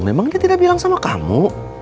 memang dia tidak bilang sama kamu